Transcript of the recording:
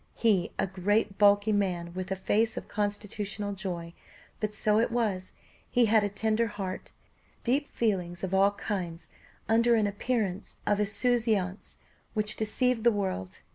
He! a great bulky man, with a face of constitutional joy but so it was; he had a tender heart, deep feelings of all kinds under an appearance of insouciance which deceived the world.